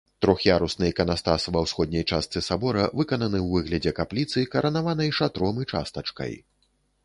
Трох'ярусны іканастас ва ўсходняй частцы сабора выкананы ў выглядзе капліцы, каранаванай шатром і частачкай.